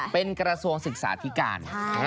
เป็นกระทรวงศึกษาธิการ